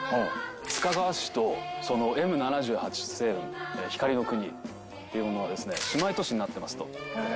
須賀川市とＭ７８星雲光の国っていうものはですね、姉妹都市になっていますと。